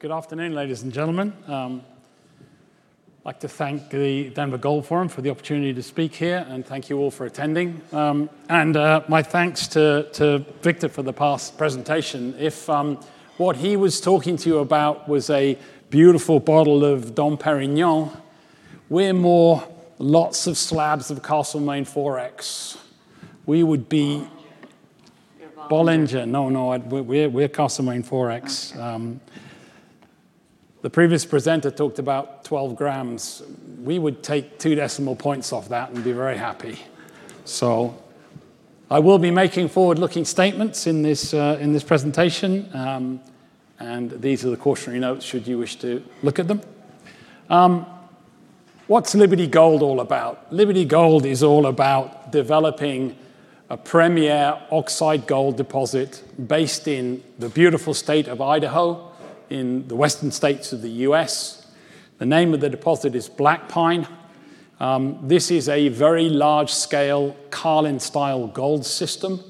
Good afternoon, ladies and gentlemen. I'd like to thank the Denver Gold Forum for the opportunity to speak here, and thank you all for attending. My thanks to Victor for the past presentation. If what he was talking to you about was a beautiful bottle of Dom Pérignon, we're more lots of slabs of Castlemaine XXXX. We would be Bollinger. No, we're Castlemaine XXXX. The previous presenter talked about 12 grams. We would take two decimal points off that and be very happy. I will be making forward-looking statements in this presentation, and these are the cautionary notes should you wish to look at them. What's Liberty Gold all about? Liberty Gold is all about developing a premier oxide gold deposit based in the beautiful state of Idaho in the western states of the U.S. The name of the deposit is Black Pine. This is a very large-scale Carlin-style gold system.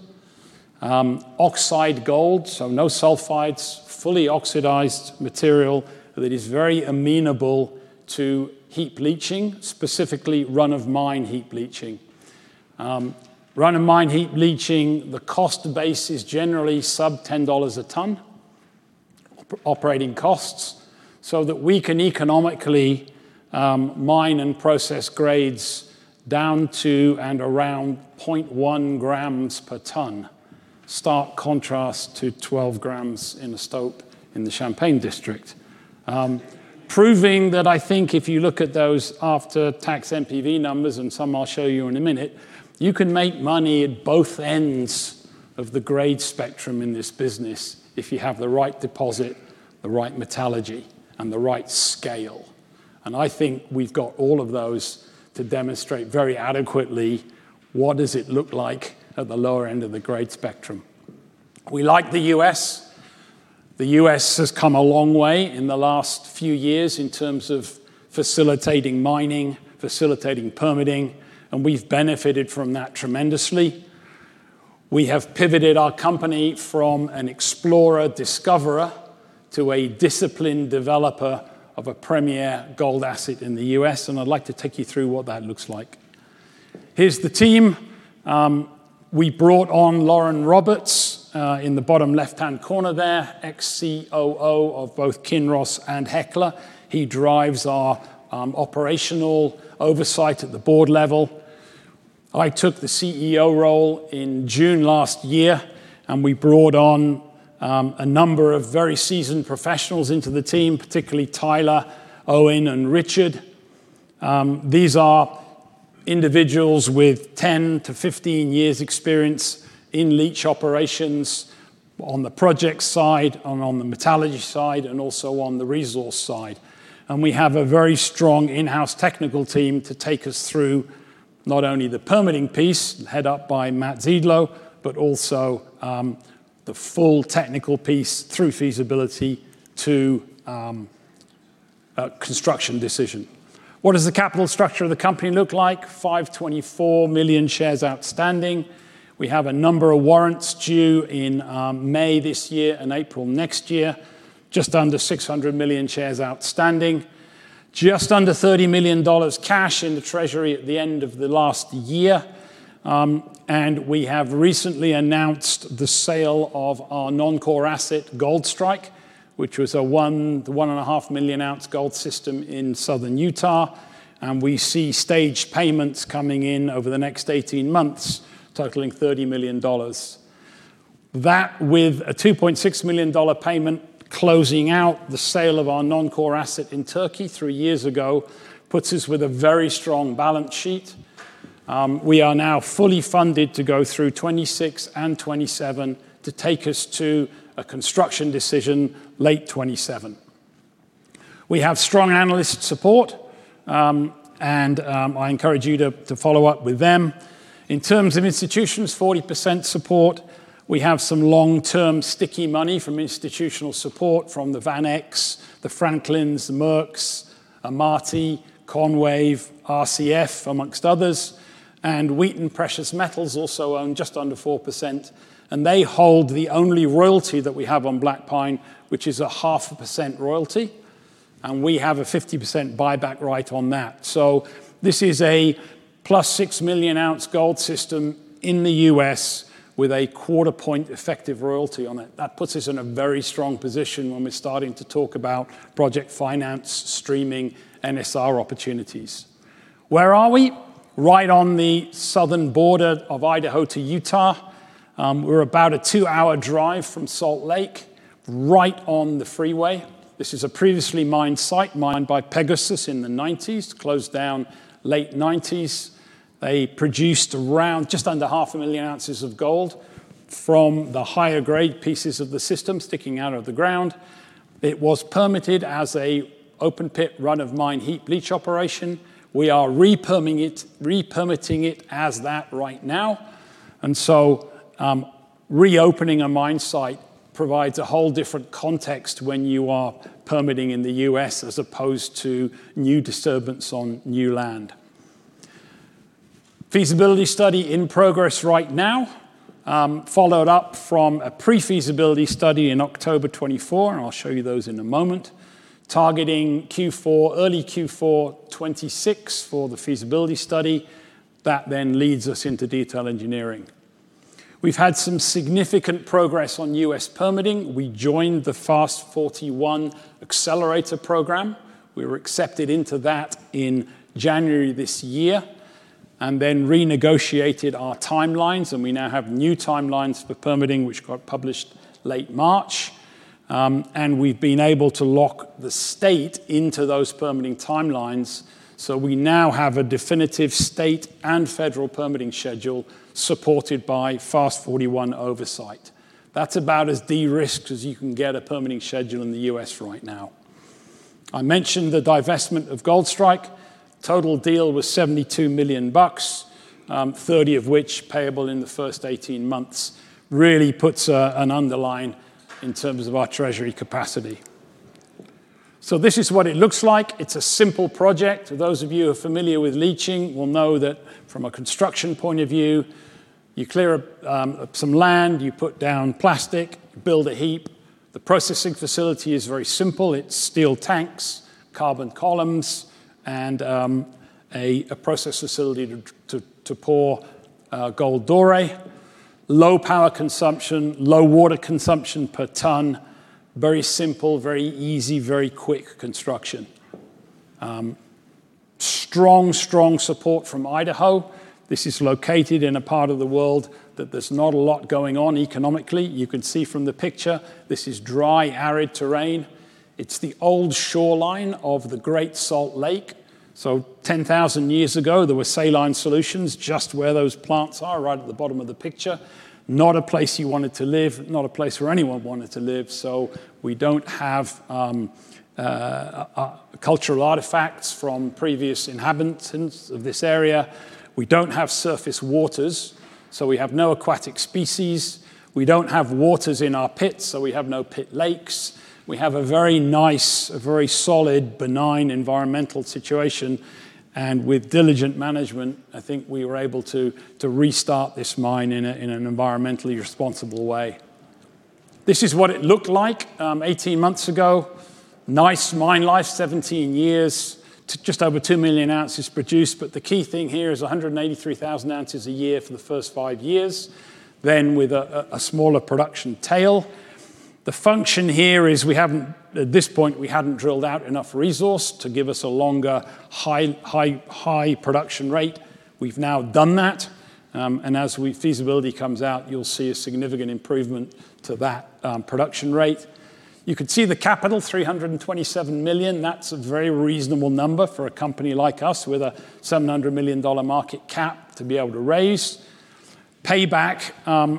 Oxide gold, so no sulfides, fully oxidized material that is very amenable to heap leaching, specifically run-of-mine heap leaching. Run-of-mine heap leaching, the cost base is generally sub $10 a ton, operating costs, so that we can economically mine and process grades down to and around 0.1 grams per ton. Stark contrast to 12 grams in a stope in the Champagne District. Proving that I think if you look at those after-tax NPV numbers, and some I'll show you in a minute, you can make money at both ends of the grade spectrum in this business if you have the right deposit, the right metallurgy, and the right scale. I think we've got all of those to demonstrate very adequately what does it look like at the lower end of the grade spectrum. We like the U.S. The U.S. has come a long way in the last few years in terms of facilitating mining, facilitating permitting, and we've benefited from that tremendously. We have pivoted our company from an explorer discoverer to a disciplined developer of a premier gold asset in the U.S., and I'd like to take you through what that looks like. Here's the team. We brought on Lauren Roberts, in the bottom left-hand corner there, ex-COO of both Kinross and Hecla. He drives our operational oversight at the board level. I took the CEO role in June last year, and we brought on a number of very seasoned professionals into the team, particularly Tyler, Owen, and Richard. These are individuals with 10-15 years' experience in leach operations on the project side and on the metallurgy side, and also on the resource side. We have a very strong in-house technical team to take us through not only the permitting piece, head up by Matt Zeidler, but also the full technical piece through feasibility to a construction decision. What does the capital structure of the company look like? 524 million shares outstanding. We have a number of warrants due in May this year and April next year. Just under 600 million shares outstanding. Just under $30 million cash in the treasury at the end of the last year. And we have recently announced the sale of our non-core asset, Goldstrike, which was a 1 to 1.5 million-ounce gold system in southern Utah. And we see staged payments coming in over the next 18 months, totaling $30 million. That, with a $2.6 million payment closing out the sale of our non-core asset in Turkey three years ago, puts us with a very strong balance sheet. We are now fully funded to go through 2026 and 2027 to take us to a construction decision late 2027. We have strong analyst support, and I encourage you to follow up with them. In terms of institutions, 40% support. We have some long-term sticky money from institutional support from the VanEck, the Franklins, the Merks, Amati, Konwave, RCF, amongst others. Wheaton Precious Metals also own just under 4%, and they hold the only royalty that we have on Black Pine, which is a half a percent royalty, and we have a 50% buyback right on that. This is a +6 million-ounce gold system in the U.S. with a quarter-point effective royalty on it. That puts us in a very strong position when we're starting to talk about project finance, streaming, NSR opportunities. Where are we? Right on the southern border of Idaho to Utah. We're about a two-hour drive from Salt Lake, right on the freeway. This is a previously mined site, mined by Pegasus in the 1990s, closed down late 1990s. They produced around just under half a million ounces of gold from the higher-grade pieces of the system sticking out of the ground. It was permitted as a open-pit run-of-mine heap leach operation. We are re-permitting it as that right now, and so reopening a mine site provides a whole different context when you are permitting in the US as opposed to new disturbance on new land. Feasibility study in progress right now, followed up from a pre-feasibility study in October 2024, and I'll show you those in a moment. Targeting early Q4 2026 for the feasibility study. That then leads us into detail engineering. We've had some significant progress on US permitting. We joined the Fast-41 Accelerator program. We were accepted into that in January this year and then renegotiated our timelines, and we now have new timelines for permitting, which got published late March. And we've been able to lock the state into those permitting timelines, so we now have a definitive state and federal permitting schedule supported by Fast-41 oversight. That's about as de-risked as you can get a permitting schedule in the U.S. right now. I mentioned the divestment of Goldstrike. Total deal was $72 million, $30 million of which payable in the first 18 months. Really puts an underline in terms of our treasury capacity. This is what it looks like. It's a simple project. For those of you who are familiar with leaching will know that from a construction point of view, you clear some land, you put down plastic, build a heap. The processing facility is very simple. It's steel tanks, carbon columns, and a process facility to pour gold doré. Low power consumption, low water consumption per ton. Very simple, very easy, very quick construction. Strong support from Idaho. This is located in a part of the world that there's not a lot going on economically. You can see from the picture, this is dry, arid terrain. It's the old shoreline of the Great Salt Lake. 10,000 years ago, there were saline solutions just where those plants are right at the bottom of the picture. Not a place you wanted to live, not a place where anyone wanted to live. We don't have cultural artifacts from previous inhabitants of this area. We don't have surface waters, so we have no aquatic species. We don't have waters in our pits, so we have no pit lakes. We have a very nice, very solid, benign environmental situation, and with diligent management, I think we were able to restart this mine in an environmentally responsible way. This is what it looked like 18 months ago. Nice mine life, 17 years. Just over 2 million ounces produced, but the key thing here is 183,000 ounces a year for the first five years, then with a smaller production tail. The function here is, at this point, we hadn't drilled out enough resource to give us a longer, high production rate. We've now done that. As feasibility comes out, you'll see a significant improvement to that production rate. You could see the capital, $327 million. That's a very reasonable number for a company like us with a $700 million market cap to be able to raise. Payback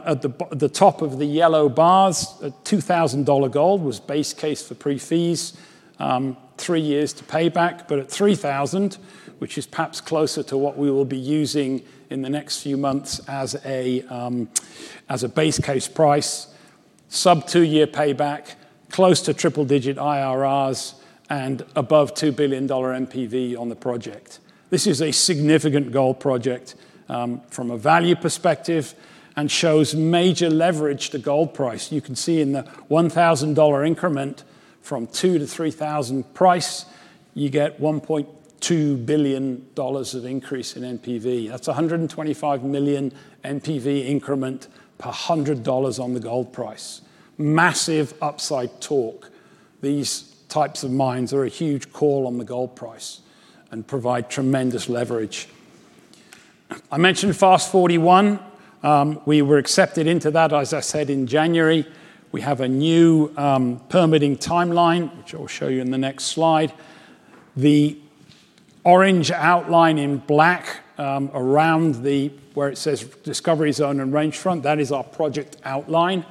at the top of the yellow bars, a $2,000 gold was base case for pre-feas. Three years to pay back, but at $3,000, which is perhaps closer to what we will be using in the next few months as a base case price, sub two-year payback, close to triple-digit IRRs and above $2 billion NPV on the project. This is a significant gold project from a value perspective and shows major leverage to gold price. You can see in the $1,000 increment from $2,000-$3,000 price, you get $1.2 billion of increase in NPV. That's $125 million NPV increment per $100 on the gold price. Massive upside torque. These types of mines are a huge call on the gold price and provide tremendous leverage. I mentioned FAST-41. We were accepted into that, as I said, in January. We have a new permitting timeline, which I will show you in the next slide. The orange outline in black around where it says Discovery Zone and Range Front, that is our project outline.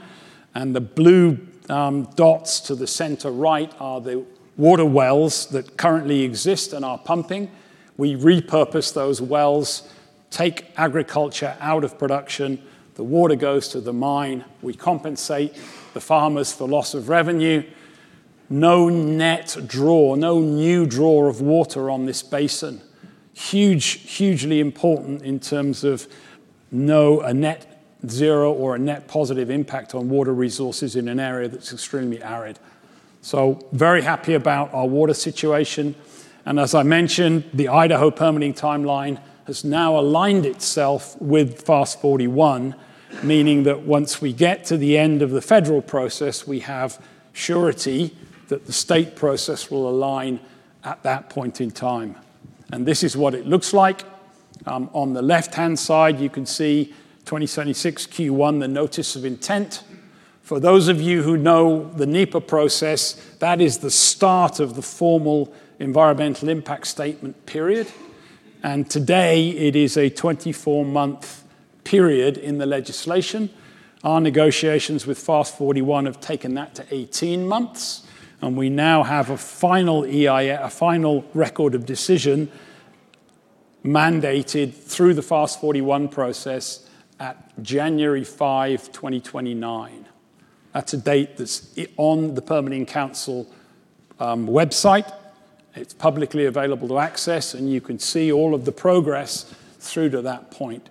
The blue dots to the center right are the water wells that currently exist and are pumping. We repurpose those wells, take agriculture out of production. The water goes to the mine. We compensate the farmers for loss of revenue. No net draw, no new draw of water on this basin. Hugely important in terms of a net-zero or a net-positive impact on water resources in an area that's extremely arid. Very happy about our water situation. As I mentioned, the Idaho permitting timeline has now aligned itself with FAST-41, meaning that once we get to the end of the federal process, we have surety that the state process will align at that point in time. This is what it looks like. On the left-hand side, you can see 2026 Q1, the Notice of Intent. For those of you who know the NEPA process, that is the start of the formal Environmental Impact Statement period. Today, it is a 24-month period in the legislation. Our negotiations with FAST-41 have taken that to 18 months, and we now have a final Record of Decision mandated through the FAST-41 process at January 5, 2029. That's a date that's on the Permitting Council website. It's publicly available to access, and you can see all of the progress through to that point.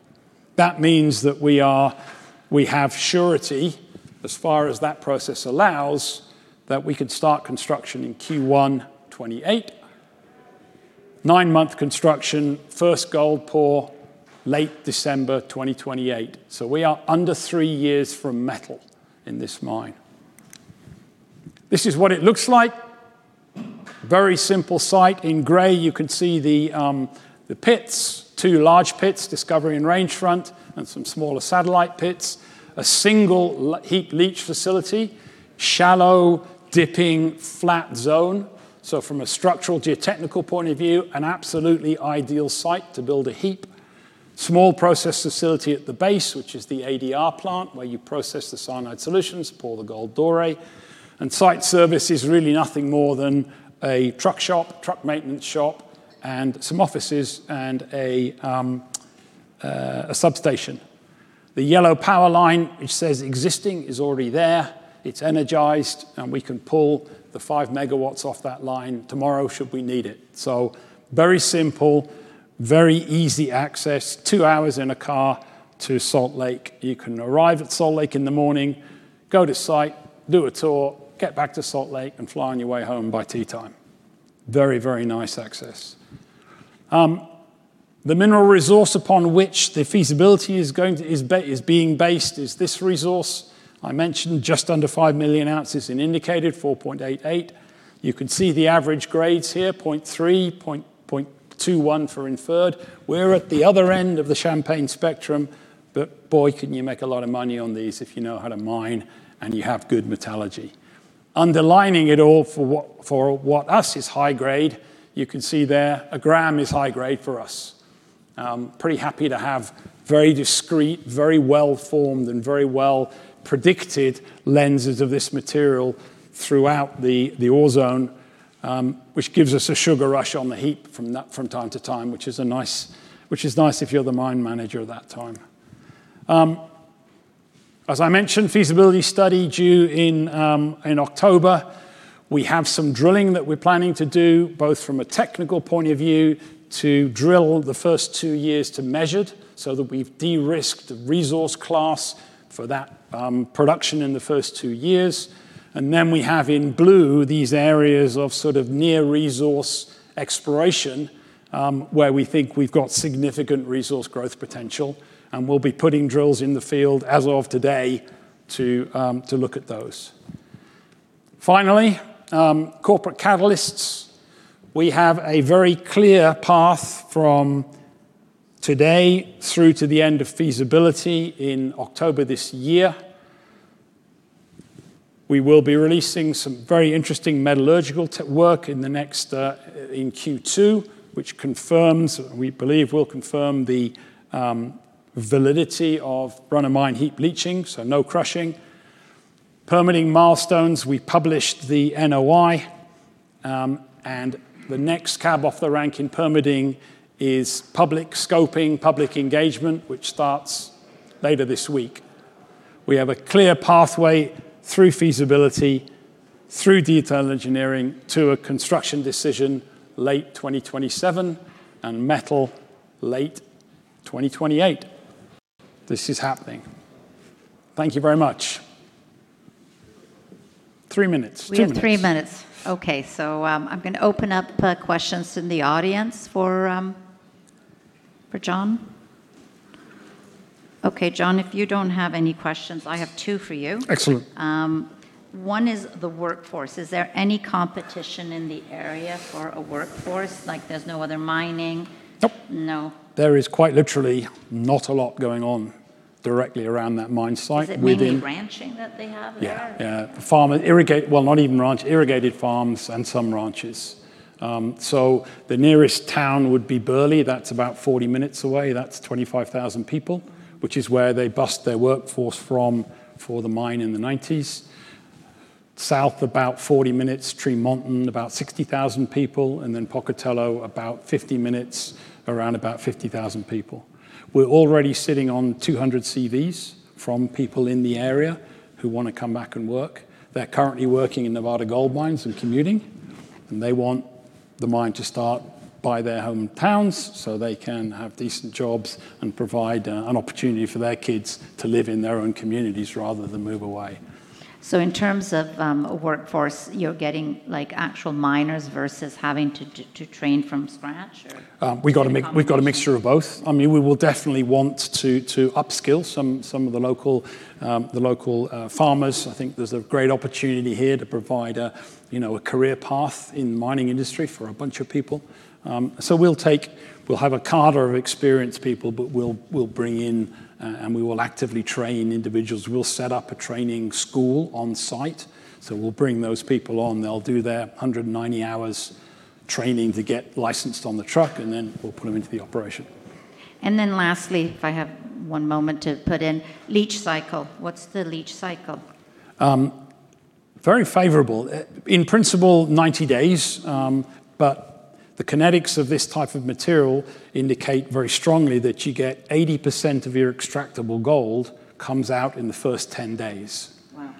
That means that we have surety, as far as that process allows, that we can start construction in Q1 2028. Nine-month construction, first gold pour, late December 2028. We are under three years from metal in this mine. This is what it looks like. Very simple site. In gray, you can see the pits, two large pits, Discovery and Range Front, and some smaller satellite pits. A single heap leach facility, shallow dipping flat zone. From a structural geotechnical point of view, an absolutely ideal site to build a heap. Small process facility at the base, which is the ADR plant, where you process the cyanide solutions, pour the gold doré. Site service is really nothing more than a truck shop, truck maintenance shop, and some offices, and a substation. The yellow power line, which says existing, is already there. It's energized, and we can pull the five megawatts off that line tomorrow should we need it. Very simple, very easy access. Two hours in a car to Salt Lake. You can arrive at Salt Lake in the morning, go to site, do a tour, get back to Salt Lake, and fly on your way home by tea time. Very, very nice access. The mineral resource upon which the feasibility is being based is this resource. I mentioned just under five million ounces in indicated, 4.88. You can see the average grades here, 0.3, 0.21 for inferred. We're at the other end of the Champagne spectrum, but boy, can you make a lot of money on these if you know how to mine and you have good metallurgy. Underlying it all for what us is high grade, you can see there a gram is high grade for us. I'm pretty happy to have very discrete, very well-formed, and very well-predicted lenses of this material throughout the ore zone, which gives us a sugar rush on the heap from time to time, which is nice if you're the mine manager at that time. As I mentioned, feasibility study due in October, we have some drilling that we're planning to do, both from a technical point of view, to drill the first two years to measured so that we've de-risked the resource class for that production in the first two years. And then we have in blue these areas of sort of near resource exploration, where we think we've got significant resource growth potential, and we'll be putting drills in the field as of today to look at those. Finally, corporate catalysts, we have a very clear path from today through to the end of feasibility in October this year. We will be releasing some very interesting metallurgical work in Q2, which we believe will confirm the validity of run-of-mine heap leaching, so no crushing. Permitting milestones, we published the NOI. The next cab off the rank in permitting is public scoping, public engagement, which starts later this week. We have a clear pathway through feasibility, through detailed engineering, to a construction decision late 2027, and metal late 2028. This is happening. Thank you very much. Three minutes. Two minutes. We have three minutes. Okay, I'm gonna open up questions in the audience for Jon. Okay, Jon, if you don't have any questions, I have two for you. Excellent. One is the workforce. Is there any competition in the area for a workforce? Like there's no other mining? Nope. No. There is quite literally not a lot going on directly around that mine site within. Is it mainly ranching that they have there? Yeah. Well, not even ranch, irrigated farms and some ranches. The nearest town would be Burley. That's about 40 minutes away. That's 25,000 people, which is where they bused their workforce from for the mine in the 1990s. South, about 40 minutes, Tremonton, about 60,000 people. Pocatello, about 50 minutes, around about 50,000 people. We're already sitting on 200 CVs from people in the area who wanna come back and work. They're currently working in Nevada gold mines and commuting, and they want the mine to start by their hometowns so they can have decent jobs and provide an opportunity for their kids to live in their own communities rather than move away. In terms of workforce, you're getting like actual miners versus having to train from scratch or any combination? We've got a mixture of both. We will definitely want to upskill some of the local farmers. I think there's a great opportunity here to provide a career path in the mining industry for a bunch of people. We'll have a cadre of experienced people, but we'll bring in, and we will actively train individuals. We'll set up a training school on site. We'll bring those people on. They'll do their 190 hours training to get licensed on the truck, and then we'll put them into the operation. Lastly, if I have one moment to put in, what's the leach cycle? Very favorable. In principle, 90 days. The kinetics of this type of material indicate very strongly that you get 80% of your extractable gold comes out in the first 10 days. Wow.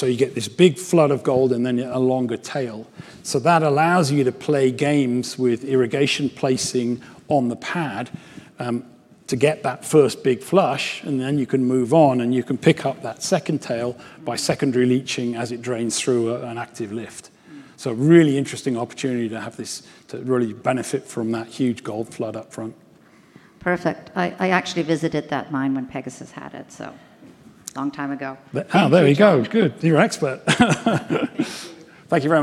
You get this big flood of gold and then a longer tail. That allows you to play games with irrigation placing on the pad, to get that first big flush, and then you can move on, and you can pick up that second tail by secondary leaching as it drains through an active lift. Really interesting opportunity to really benefit from that huge gold flood up front. Perfect. I actually visited that mine when Pegasus had it. A long time ago. There we go. Good. You're expert. Thank you very much.